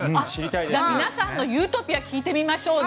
皆さんのユートピア聞いてみましょうね。